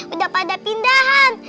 udah pada pindahan